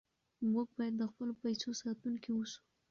موږ باید د خپلو پیسو ساتونکي اوسو.